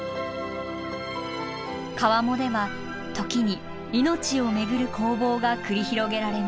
川面では時に命をめぐる攻防が繰り広げられます。